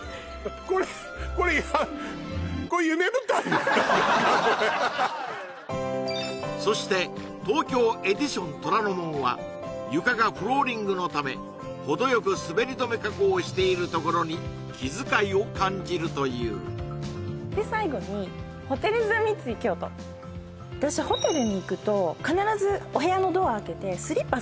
これこれそして東京エディション虎ノ門は床がフローリングのためほどよくスベり止め加工しているところに気遣いを感じるというで最後に私ホテルに行くと必ずお部屋のドア開けてスリッパ